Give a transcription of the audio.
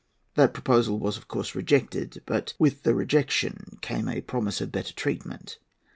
That proposal was, of course, rejected; but with the rejection came a promise of better treatment.